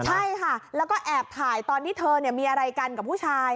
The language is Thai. ใช่ค่ะแล้วก็แอบถ่ายตอนที่เธอมีอะไรกันกับผู้ชาย